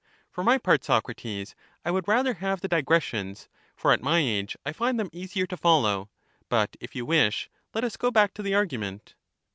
Theod, For my part, Socrates, I would rather have the digressions, for at my age I find them easier to follow ; but if you wish, let us go back to the argument.